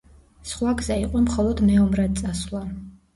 სხვა გზა იყო მხოლოდ მეომრად წასვლა.